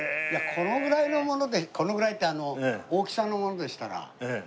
このぐらいのものでこのぐらいって大きさのものでしたら。